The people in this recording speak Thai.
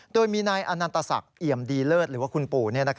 โดยมีนายอนันตศักดิ์เอี่ยมดีเลิศหรือว่าคุณปู่